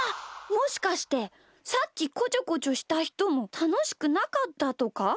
もしかしてさっきこちょこちょしたひともたのしくなかったとか？